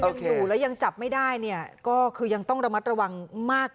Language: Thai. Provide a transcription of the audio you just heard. ยังอยู่แล้วยังจับไม่ได้เนี่ยก็คือยังต้องระมัดระวังมาก